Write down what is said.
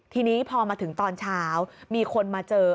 ทีนี้พอมาถึงตอนเช้ามีคนมาเจอ